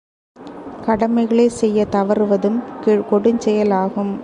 கடமைகளைச் செய்யத் தவறுவதும் கொடுஞ்செயலாகும்.